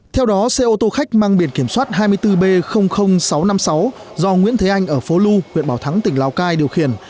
theo đó xe ô tô khách mang biển kiểm soát hai mươi bốn b sáu trăm năm mươi sáu do nguyễn thế anh ở phố lu huyện bảo thắng tỉnh lào cai điều khiển